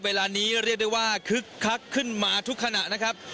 เวลานี้เรียกได้ว่าคึกคักขึ้นมาทุกขณะนะครับ